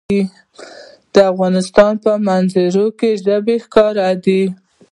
د افغانستان په منظره کې ژبې ښکاره ده.